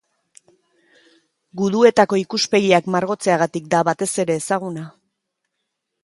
Guduetako ikuspegiak margotzeagatik da batez ere ezaguna.